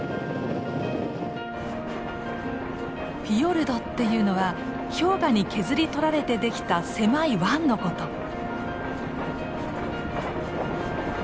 フィヨルドっていうのは氷河に削り取られてできた狭い湾のこと。